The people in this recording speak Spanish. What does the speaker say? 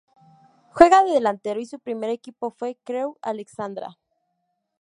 Juega de delantero y su primer equipo fue Crewe Alexandra.